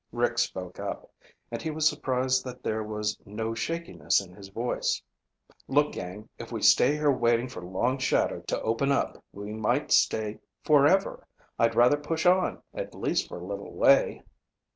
Rick spoke up, and he was surprised that there was no shakiness in his voice. "Look, gang. If we stay here waiting for Long Shadow to open up, we might stay forever. I'd rather push on, at least for a little way."